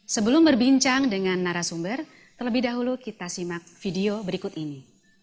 sebelum berbincang dengan narasumber terlebih dahulu kita simak video berikut ini